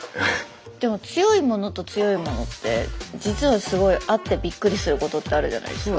強いモノと強いモノって実はすごい合ってびっくりすることってあるじゃないですか。